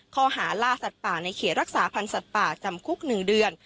ข้อหาล่าสัตว์ป่าในเขตรักษาพันธ์สัตว์ป่าจำคุก๑เดือน